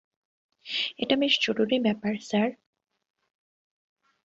এটা বেশ জরুরী ব্যাপার, স্যার!